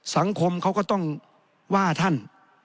สังคมเขาก็ต้องว่าท่าน